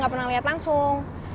gak pernah lihat langsung